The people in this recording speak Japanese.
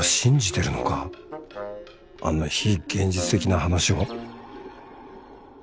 あんな非現実的な話を？